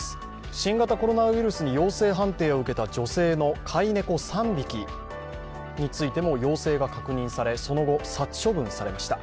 新型コロナウイルスに陽性判定を受けた女性の飼い猫３匹についても陽性が確認され、その後、殺処分されました。